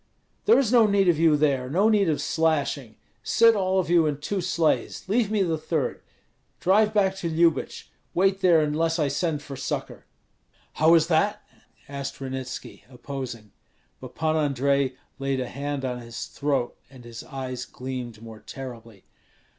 "There is no need of you there, no need of slashing! Sit all of you in two sleighs, leave me the third. Drive back to Lyubich; wait there unless I send for succor." "How is that?" asked Ranitski, opposing. But Pan Andrei laid a hand on his throat, and his eyes gleamed more terribly.